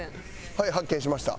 はい発見しました。